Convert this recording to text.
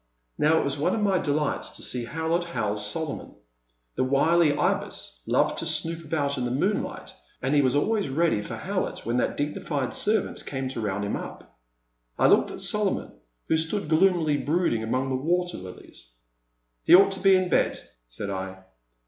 Now it was one of my delights to see Howlett house Solomon. The wily Ibis loved to snoop about in the moonlight, and he was always ready for Howlett when that dignified servant came to round him up. I looked at Solomon, who stood gloomily brood ing among the water lilies. He ought to be in bed," said I.